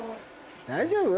大丈夫？